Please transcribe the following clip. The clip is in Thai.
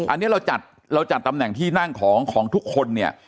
อันนี้เราจัดเราจัดตำแหน่งที่นั่งของทุกคนเนี่ย